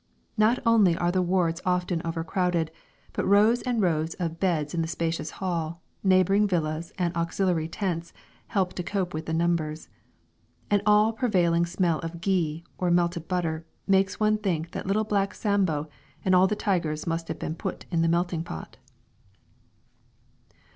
Not only are the wards often overcrowded, but rows and rows of beds in the spacious hall, neighbouring villas and auxiliary tents help to cope with the numbers. An all pervading smell of "ghi," or melted butter, makes one think that Little Black Sambo and all the tigers must have been put in the melting pot.